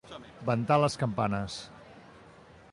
Ventar les campanes.